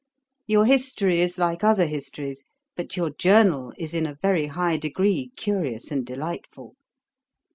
Your History is like other histories, but your Journal is in a very high degree curious and delightful.